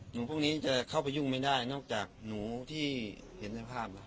พวกนี้จะเข้าไปยุ่งไม่ได้นอกจากหนูที่เห็นในภาพแล้ว